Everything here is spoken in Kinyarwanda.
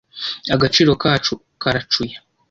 agaciro kacu karacuya